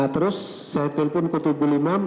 terus saya nelfon ketubul imam